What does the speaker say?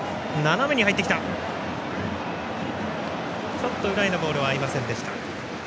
ちょっと裏へのボールは合いませんでした。